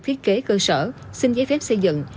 thiết kế cơ sở xin giấy phép xây dựng